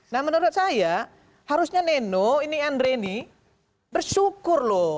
nah menurut saya harusnya neno ini andre ini bersyukur loh